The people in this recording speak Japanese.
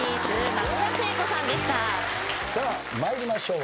さあ参りましょう。